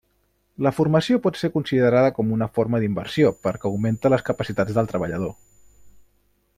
La formació pot ser considerada com una forma d'inversió, perquè augmenta les capacitats del treballador.